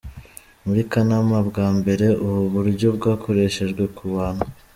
Muri Kanama, bwa mbere ubu buryo bwakoreshejwe ku bantu.